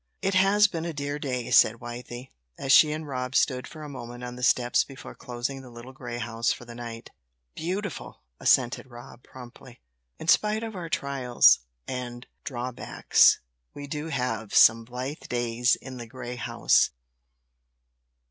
"It has been a dear day," said Wythie, as she and Rob stood for a moment on the steps before closing the little grey house for the night. "Beautiful!" assented Rob, promptly. "In spite of our trials and drawbacks we do have some blithe days in the grey house."